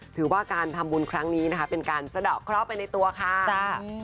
ถือว่าการทำบุญครั้งนี้นะคะเป็นการสะดอกเคราะห์ไปในตัวค่ะจ้า